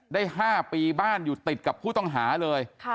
ได้๕ปีบ้านอยู่ติดกับผู้ต้องหาเลย